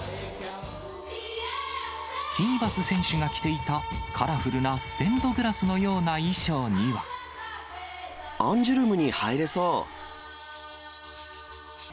キーバス選手が着ていたカラフルなステンドグラスのような衣装にアンジュルムに入れそう。